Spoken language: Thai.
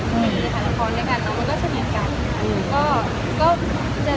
หรือว่าอยากทำอะไรก็ทำ